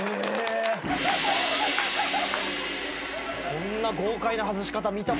こんな豪快な外し方見たことない。